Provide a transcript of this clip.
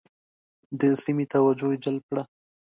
د سیمې توجه یې جلب کړه.